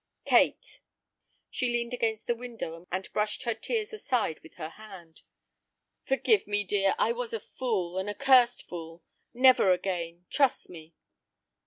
"Kate." She leaned against the window, and brushed her tears aside with her hand. "Forgive me, dear. I was a fool, an accursed fool. Never again. Trust me."